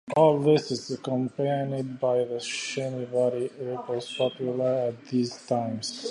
All this is accompanied by the shimmy body ripples popular at these times.